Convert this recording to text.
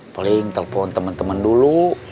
paling telepon temen temen dulu